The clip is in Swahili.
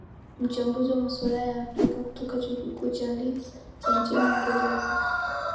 mchambuzi wa masuala ya afrika kutoka chuo kikuu cha leeds cha nchini uingereza